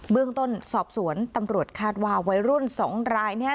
เรื่องต้นสอบสวนตำรวจคาดว่าวัยรุ่น๒รายเนี่ย